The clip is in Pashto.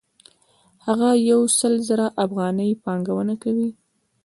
هغه یو سل زره افغانۍ پانګونه کوي